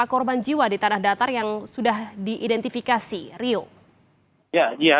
warga korban jiwa di tanah datar yang sudah di identifikasi ryu